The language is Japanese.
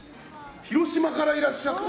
広島からいらっしゃって。